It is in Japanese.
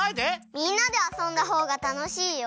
みんなであそんだほうがたのしいよ。